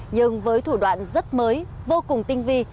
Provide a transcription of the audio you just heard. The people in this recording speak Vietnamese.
nhưng với thủ đoạn rất mới vô cùng tinh vi